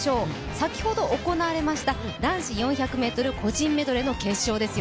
先ほど行われました男子４００ｍ個人メドレーの決勝ですよ。